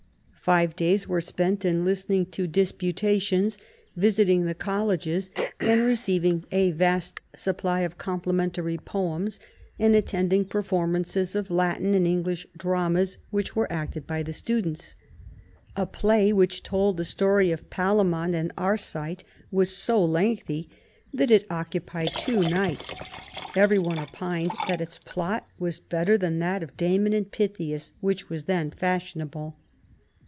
Five days were spent in listening to disputations, visiting the Colleges, and receiving a vast supply of complimentary poems, and attending performances of Latin and English dramas which were acted by the students. A play which told the story of Palamon and Arcite was so lengthy that it occupied two nights ; every one opined that its plot was better than that of Damon and Pythias, which was then fashionable.